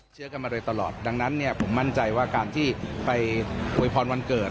เชื่อกันมาโดยตลอดดังนั้นเนี่ยผมมั่นใจว่าการที่ไปอวยพรวันเกิด